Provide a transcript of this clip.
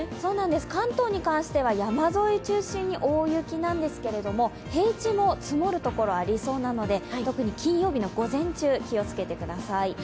関東に関しては山沿い中心に大雪なんですけども、平地も積もるところありそうなので、特に金曜日の午前中、気をつけてください。